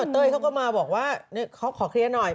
เต้ยเขาก็มาบอกว่าเขาขอเคลียร์หน่อย